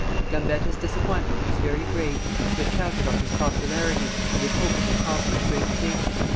Gambetta's disappointment was very great. He had counted on his popularity, and had hoped to accomplish great things.